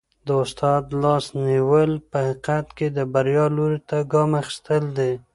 د استاد لاس نیول په حقیقت کي د بریا لوري ته ګام اخیستل دي.